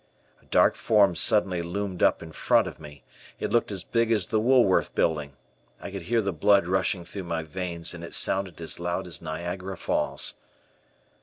A dark form suddenly loomed up in front of me, it looked as big as the Woolworth Building. I could hear the blood rushing through my veins and it sounded as loud as Niagara Falls.